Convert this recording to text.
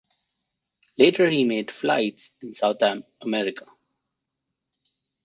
Later he made flights in South America.